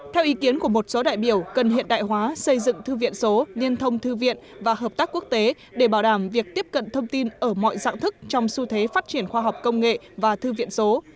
theo ý kiến của một số đại biểu cần hiện đại hóa xây dựng thư viện số liên thông thư viện và hợp tác quốc tế để bảo đảm việc tiếp cận thông tin ở mọi dạng thức trong xu thế phát triển khoa học công nghệ và thư viện số